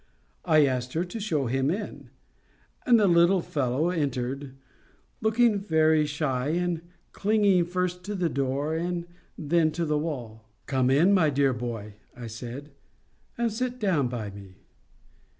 I asked her to show him in; and the little fellow entered, looking very shy, and clinging first to the door and then to the wall. "Come, my dear boy," I said, "and sit down by me."